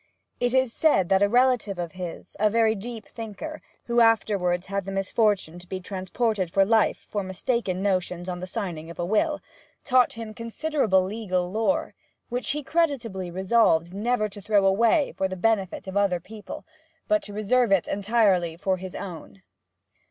It is said that a relative of his, a very deep thinker, who afterwards had the misfortune to be transported for life for mistaken notions on the signing of a will, taught him considerable legal lore, which he creditably resolved never to throw away for the benefit of other people, but to reserve it entirely for his own.